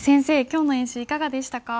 今日の演習いかがでしたか？